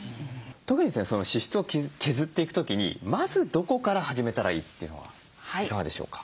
特に支出を削っていく時にまずどこから始めたらいいっていうのはいかがでしょうか？